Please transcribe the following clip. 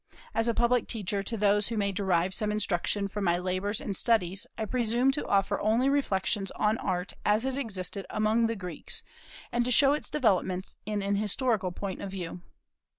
As a public teacher to those who may derive some instruction from my labors and studies, I presume to offer only reflections on Art as it existed among the Greeks, and to show its developments in an historical point of view.